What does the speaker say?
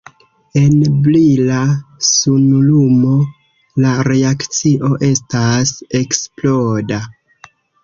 En brila sunlumo la reakcio estas eksploda.